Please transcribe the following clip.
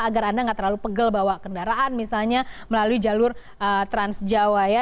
agar anda nggak terlalu pegel bawa kendaraan misalnya melalui jalur transjawa ya